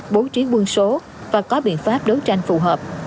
bố trí buôn số và có biện pháp đấu tranh phù hợp